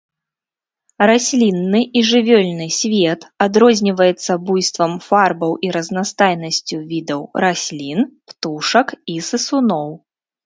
Раслінны і жывёльны свет адрозніваецца буйствам фарбаў і разнастайнасцю відаў раслін, птушак і сысуноў.